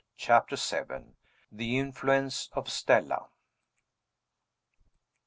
CHAPTER VII. THE INFLUENCE OF STELLA.